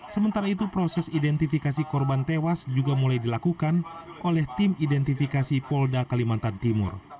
sementara itu proses identifikasi korban tewas juga mulai dilakukan oleh tim identifikasi polda kalimantan timur